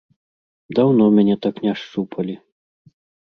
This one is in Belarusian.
Даўно мяне так не шчупалі.